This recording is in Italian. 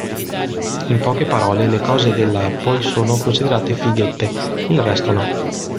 In poche parole, le cose della Apple sono considerate "fighette", il resto no.